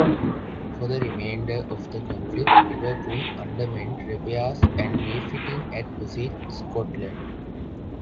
For the remainder of the conflict, "Liverpool" underwent repairs and refitting at Rosyth, Scotland.